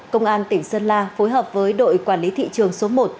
công an tỉnh sơn la phối hợp với đội quản lý thị trường số một